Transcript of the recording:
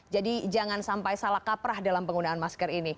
jadi jangan sampai salah kaprah dalam penggunaan masker